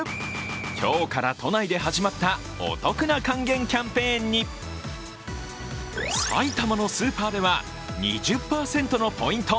今日から都内で始まったお得な還元キャンペーンに埼玉のスーパーでは２０％のポイント